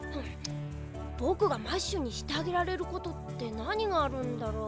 ぼくがマッシュにしてあげられることってなにがあるんだろう？